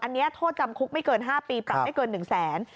อันนี้โทษจำคุกไม่เกิน๕ปีปรับไม่เกิน๑แสน